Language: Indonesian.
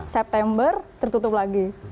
september tertutup lagi